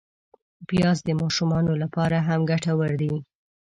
پیاز د ماشومانو له پاره هم ګټور دی